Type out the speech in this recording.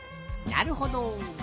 なるほど。